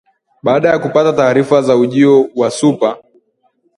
baada ya kupata taarifa za ujio wa Supa